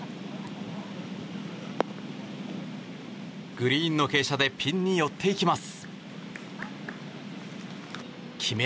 グリーンの傾斜でピンに寄っていきます。